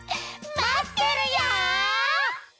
まってるよ！